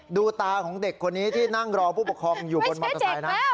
ดูตาของเด็กคนนี้ที่นั่งรอผู้ปกครองอยู่บนมอเตอร์ไซค์นะ